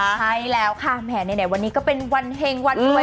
ใช่แล้วค่ะแหมไหนวันนี้ก็เป็นวันเฮงวันด้วย